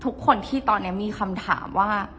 ทุกคนที่ตอนนี้มีคำถามว่า